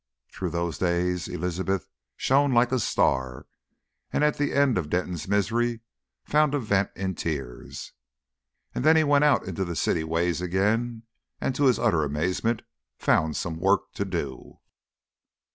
Through those days Elizabeth shone like a star, and at the end Denton's misery found a vent in tears. And then he went out into the city ways again, and to his utter amazement found some work to do.